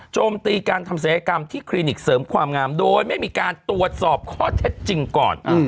โจมตีการทำศัยกรรมที่คลินิกเสริมความงามโดยไม่มีการตรวจสอบข้อเท็จจริงก่อน